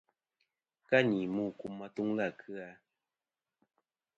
Ka ni mu kum atuŋlɨ à kɨ-a.